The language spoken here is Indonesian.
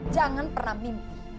jangan pernah mimpi